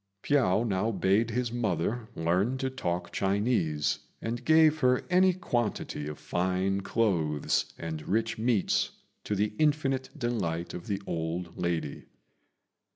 Piao now bade his mother learn to talk Chinese, and gave her any quantity of fine clothes and rich meats, to the infinite delight of the old lady.